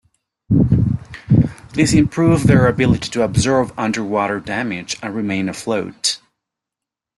This improved their ability to absorb underwater damage and remain afloat.